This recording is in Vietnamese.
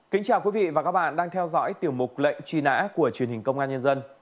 kính chào quý vị và các bạn đang theo dõi tiểu mục lệnh truy nã của truyền hình công an nhân dân